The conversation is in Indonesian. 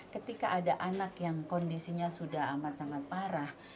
ketika ada anak yang kondisinya sudah amat sangat parah